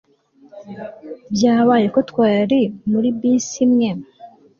Byabaye ko twari muri bisi imwe